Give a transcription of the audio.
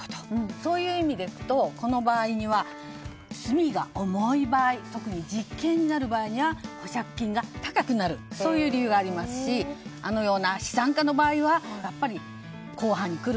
そういう意味でいくとこの場合は罪が重い場合特に実刑になる場合には保釈金が高くなるそういう理由がありますしあのような資産家の場合はやっぱり、公判に来る。